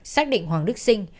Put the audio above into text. xác định hoàng đức sinh